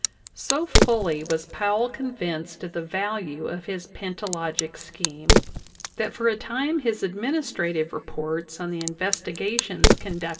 So fully was Powell convinced of the value of his pentalogic scheme, that for a time his administrative reports on the investigations conducted 80 JOHN WKSI.